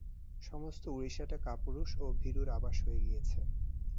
সমস্ত উড়িষ্যাটা কাপুরুষ ও ভীরুর আবাস হয়ে গিয়েছে।